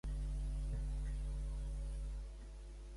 Els turistes temen la inseguretat i és difícil que canviïn d'idea.